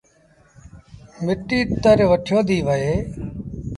مٽيٚ تر وٺيو ديٚ وهي۔